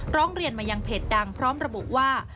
ร้องเรียนมายังเพจดังพร้อมระบุว่า